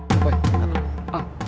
coba cabut aja